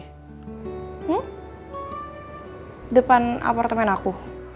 hmm depan apartemen aku